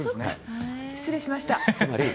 失礼しました。